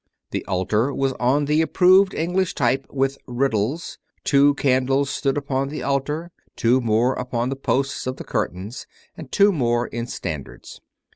The altar was on the approved English type with "riddels"; two candles stood upon the altar, two more upon the posts of the curtains, and two more in standards.